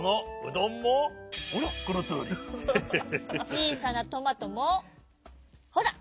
ちいさなトマトもほら。